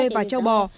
tôi đã mua đồ cho bò